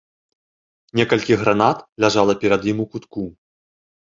Некалькі гранат ляжала перад ім у кутку.